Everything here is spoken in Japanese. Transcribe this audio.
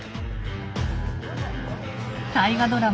大河ドラマ